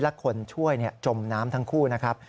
และคนช่วยจมน้ำทั้งคู่นะครับ